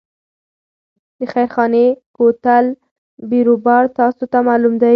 د خیرخانې کوتل بیروبار تاسو ته معلوم دی.